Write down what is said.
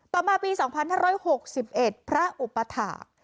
ต่อมาปี๒๕๖๑พระอุปถาค